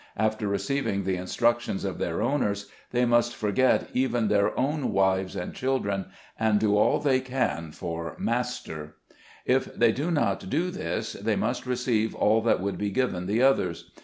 After receiving the instructions of their owners, they must forget even their own wives and children, and do all they can for "Master" If they do not do this, they must receive all that would be given the others.